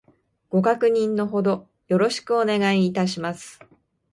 ご確認の程よろしくお願いいたします